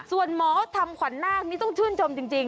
ส่วนหมอทำขวัญนาคนี่ต้องชื่นชมจริง